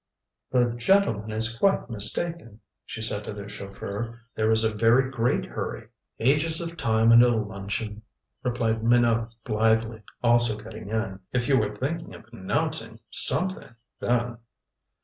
"The gentleman is quite mistaken," she said to the chauffeur. "There is a very great hurry." "Ages of time until luncheon," replied Minot blithely, also getting in. "If you were thinking of announcing something then."